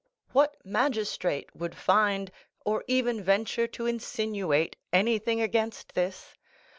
What magistrate would find, or even venture to insinuate, anything against this?